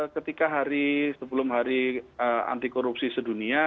ketika hari sebelum hari anti korupsi sedunia